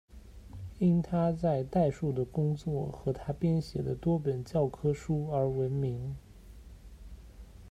因他在代数的工作和他编写的多本教科书而闻名。